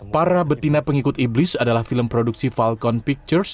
para betina pengikut iblis adalah film produksi falcon pictures